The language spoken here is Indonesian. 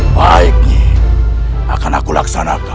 baiknya akan aku laksanakan